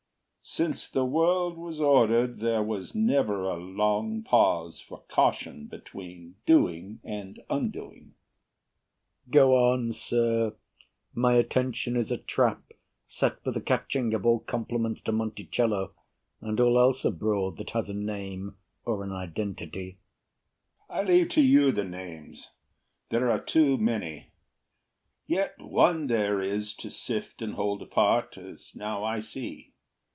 Since the world Was ordered, there was never a long pause For caution between doing and undoing. BURR Go on, sir; my attention is a trap Set for the catching of all compliments To Monticello, and all else abroad That has a name or an identity. HAMILTON I leave to you the names there are too many; Yet one there is to sift and hold apart, As now I see.